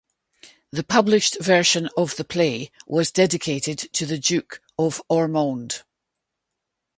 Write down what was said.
The published version of the play was dedicated to the Duke of Ormonde.